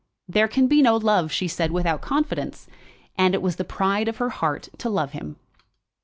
There can be no love, she said, without confidence, and it was the pride of her heart to love him.